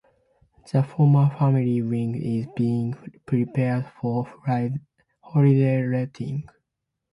The former family wing is being prepared for holiday letting.